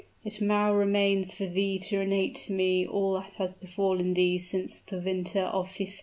It now remains for thee to narrate to me all that has befallen thee since the winter of 1516."